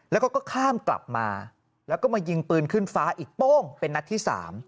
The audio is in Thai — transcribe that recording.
แล้วก็ข้ามกลับมาแล้วก็มายิงปืนขึ้นฟ้าอีกโป้งเป็นนัดที่๓